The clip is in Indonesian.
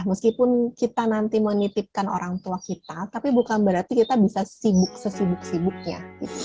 meskipun kita nanti menitipkan orang tua kita tapi bukan berarti kita bisa sibuk sesibuk sibuknya